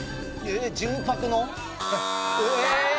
「純白の」？